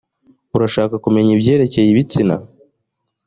urashaka kumenya ibyerekeye ibitsina